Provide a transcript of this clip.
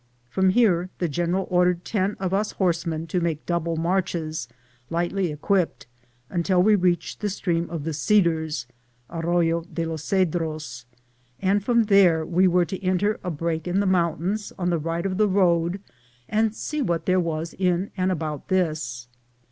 From here the general ordered ten of us horsemen to make double marches, lightly equipped, until we reached the stream of the Cedars (arroyo de los Cedros) , and from there we were to enter a break in the mountains on the right of the road and see what there was in and about this.